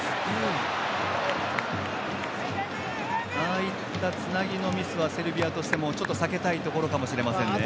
ああいったつなぎのミスはセルビアとしてもちょっと避けたいところかもしれませんね。